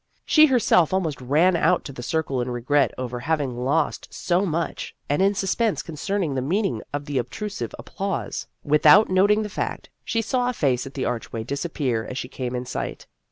She herself almost ran out to the Circle in regret over having lost so much, and in suspense concerning the meaning of the obtrusive applause. With out noting the fact, she saw a face at the archway disappear as she came in sight.